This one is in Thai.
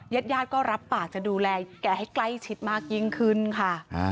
ญาติญาติก็รับปากจะดูแลแกให้ใกล้ชิดมากยิ่งขึ้นค่ะ